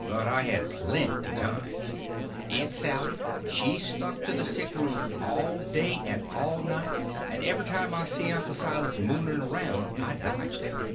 But I had plenty time. Aunt Sally she stuck to the sick room all day and all night, and every time I see Uncle Silas mooning around I dodged him.